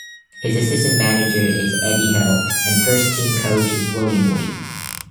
His assistant manager is Eddie Hill and first team coach is William Waite.